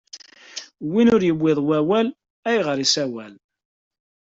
Win ur iwwiḍ wawal, ayɣeṛ issawal?